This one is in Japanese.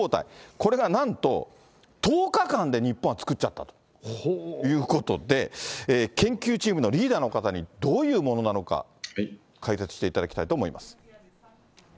これがなんと、１０日間で日本は作っちゃったということで、研究チームのリーダーの方に、どういうものなのか、解説していただきたいと思います。